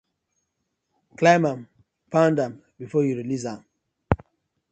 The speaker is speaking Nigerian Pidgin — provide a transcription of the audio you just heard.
Climb am, pound am befor yu release am.